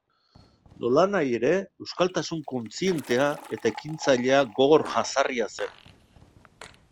Nolanahi ere, euskaltasun kontzientea eta ekintzailea gogor jazarria zen.